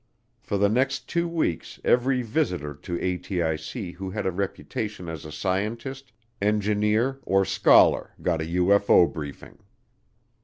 For the next two weeks every visitor to ATIC who had a reputation as a scientist, engineer, or scholar got a UFO briefing.